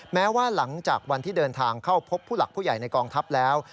แม้ว่าหลังจากวันที่เดินทางเข้าพบผู้หลักผู้ใหญ่ในกองทัพแล้ว